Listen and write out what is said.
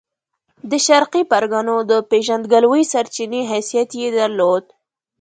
د شرقي پرګنو د پېژندګلوۍ سرچینې حیثیت یې درلود.